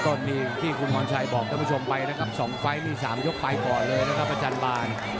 ต้นนี่ที่คุณพรชัยบอกท่านผู้ชมไปนะครับ๒ไฟล์นี่๓ยกไปก่อนเลยนะครับอาจารย์บาล